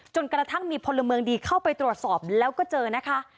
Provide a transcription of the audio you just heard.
จนกระทั่งมีพลเมืองดีเข้าไปตรวจสอบแล้วก็เจอนะคะ